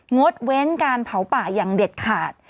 งดเว้นการเผาป่าอย่างเด็ดขาด